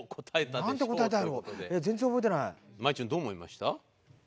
まいちゅんどう思いました？